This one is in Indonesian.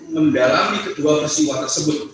mendalami kedua persiwa tersebut